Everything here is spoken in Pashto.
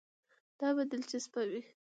دا به دلچسپه وي.